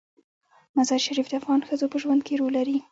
مزارشریف د افغان ښځو په ژوند کې رول لري.